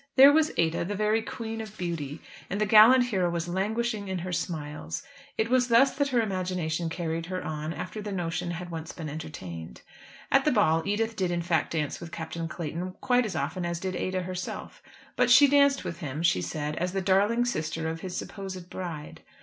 There was Ada, the very queen of beauty. And the gallant hero was languishing in her smiles. It was thus that her imagination carried her on, after the notion had once been entertained. At the ball Edith did in fact dance with Captain Clayton quite as often as did Ada herself, but she danced with him, she said, as the darling sister of his supposed bride.